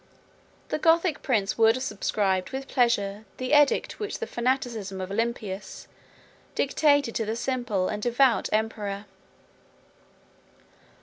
The Gothic prince would have subscribed with pleasure the edict which the fanaticism of Olympius dictated to the simple and devout emperor.